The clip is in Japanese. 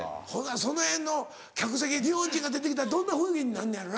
そのへんの客席日本人が出て来たらどんな雰囲気になんのやろな。